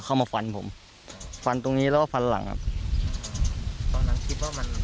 เข้ามาฟันผมฟันตรงนี้แล้วก็ฟันหลังครับตอนนั้นคิดว่ามัน